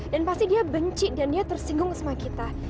dan pasti dia benci dan dia tersinggung sama kita